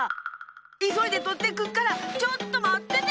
いそいでとってくっからちょっとまってて！